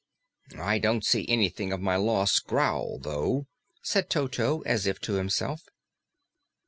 "I don't see anything of my lost growl, though," said Toto as if to himself.